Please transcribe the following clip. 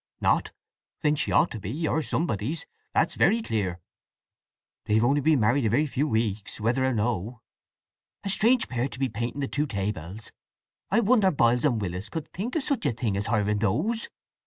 "Not? Then she ought to be, or somebody's—that's very clear!" "They've only been married a very few weeks, whether or no." "A strange pair to be painting the Two Tables! I wonder Biles and Willis could think of such a thing as hiring those!"